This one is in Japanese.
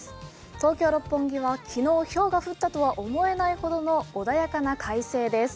東京・六本木は昨日ひょうが降ったとは思えないほどの穏やかな快晴です。